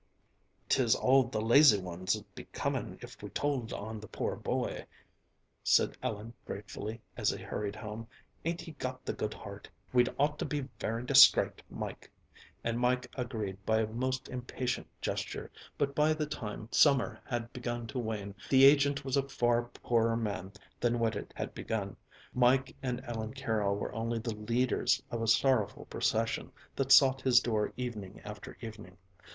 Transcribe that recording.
"'Tis all the lazy ones 'ould be coming if we told on the poor boy," said Ellen gratefully, as they hurried home. "Ain't he got the good heart? We'd ought to be very discrate, Mike!" and Mike agreed by a most impatient gesture, but by the time summer had begun to wane the agent was a far poorer man than when it had begun. Mike and Ellen Carroll were only the leaders of a sorrowful procession that sought his door evening after evening.